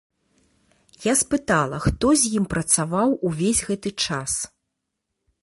Я спытала, хто з ім працаваў увесь гэты час.